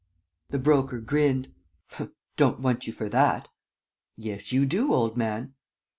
The Broker grinned: "Don't want you for that." "Yes, you do, old man."